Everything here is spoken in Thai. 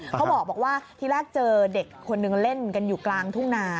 เขาบอกว่าที่แรกเจอเด็กคนนึงเล่นกันอยู่กลางทุ่งนา